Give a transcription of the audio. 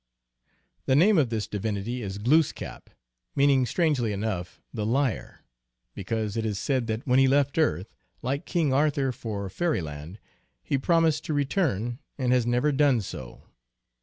The name of this \ 2 INTRODUCTION. divinity is Glooskap, meaning, strangely enough, the Liar, because it is said that when he left earth, like King Arthur, for Fairyland, he promised to return, and has never done so.